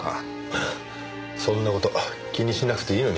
ハハそんな事気にしなくていいのに。